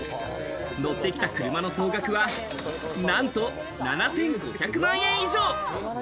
乗ってきた車の総額はなんと７５００万円以上！